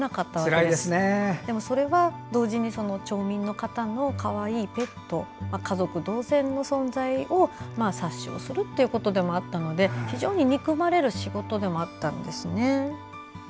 でも、それは同時に島民の方のかわいいペット家族同然の存在を殺傷するということでもあったので非常に憎まれる仕事でもあったんですね。